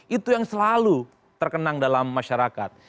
itu yang selalu terkenang dalam masyarakat